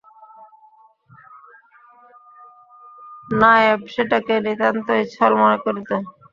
নায়েব সেটাকে নিতান্তই ছল মনে করিত।